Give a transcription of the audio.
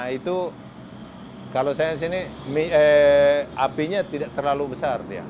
itu kalau saya di sini apinya tidak terlalu besar